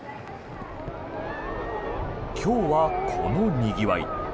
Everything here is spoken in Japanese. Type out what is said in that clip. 今日はこのにぎわい。